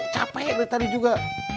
capek dari tadi juga